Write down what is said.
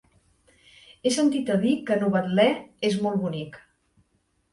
He sentit a dir que Novetlè és molt bonic.